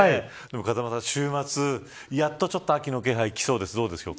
風間さん、週末、やっと秋の気配がきそうです。